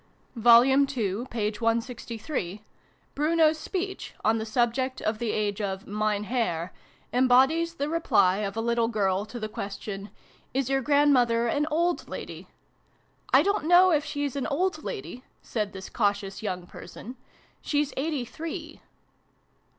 II. p. 163. Bruno's speech, on the subject of the age of ' Mein Herr,' embodies the reply of a little girl to the question " Is your grandmother an old lady ?"" I don't know if she's an old lady," said this cautious young person ;" she's eighty three."